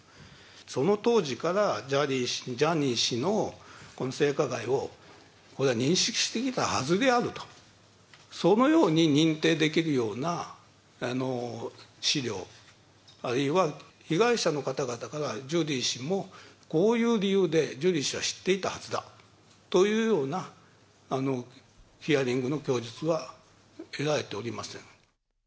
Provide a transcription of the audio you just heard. その当時からジャニー氏のこの性加害を、これは認識していたはずであると、そのように認定できるような資料、あるいは被害者の方々からジュリー氏も、こういう理由でジュリー氏は知っていたはずだというような、ヒアリングの供述は得られておりません。